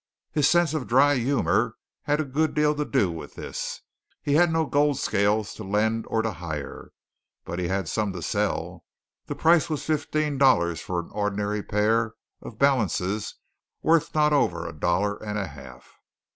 His sense of dry humour had a good deal to do with this. He had no gold scales to lend or to hire, but he had some to sell. The price was fifteen dollars for an ordinary pair of balances worth not over a dollar and a half.